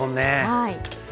はい。